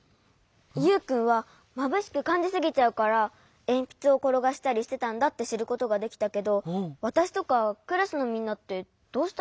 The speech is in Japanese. ユウくんはまぶしくかんじすぎちゃうからえんぴつをころがしたりしてたんだってしることができたけどわたしとかクラスのみんなってどうしたらいいの？